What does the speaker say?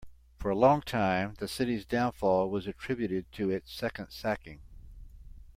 For a long time, the city's downfall was attributed to its second sacking.